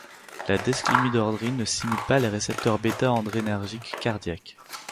La desglymidodrine ne stimule pas les récepteurs bêta-adrénergiques cardiaques.